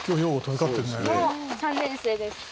もう３年生です。